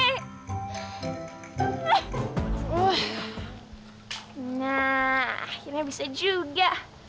nah akhirnya bisa juga